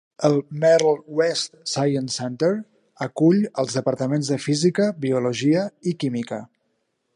El "Merle West Science Center" acull els departaments de física, biologia i química.